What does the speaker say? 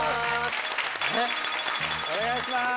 お願いします。